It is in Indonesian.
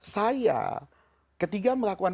saya ketika melakukan